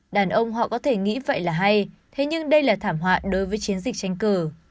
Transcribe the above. đàn ông họ có thể nghĩ vậy là hay thế nhưng đây là thảm họa đối với chiến dịch tranh cử